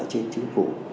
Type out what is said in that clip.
trên chính phủ